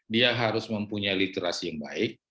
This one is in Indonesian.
dia harus mempunyai literasi yang baik